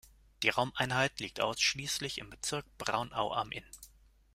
Die Raumeinheit liegt ausschließlich im Bezirk Braunau am Inn.